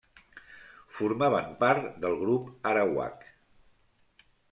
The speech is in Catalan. Formaven part del grup arawak.